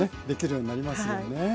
できるようになりますよね。